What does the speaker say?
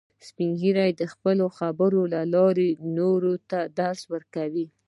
سپین ږیری د خپلو خبرو له لارې نورو ته درس ورکوي